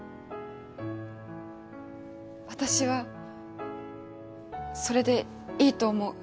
私はそれでいいと思う。